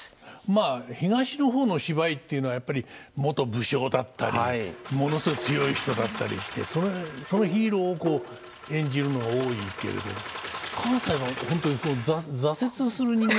まあ東の方の芝居っていうのはやっぱり元武将だったりものすごい強い人だったりしてそのヒーローを演じるのが多いけれど関西は本当に挫折する人間を主人公にする。